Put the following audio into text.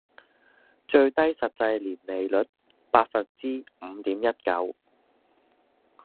最低實際年利率︰百分之五點一九